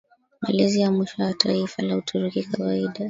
malezi ya mwisho ya taifa la Uturuki kawaida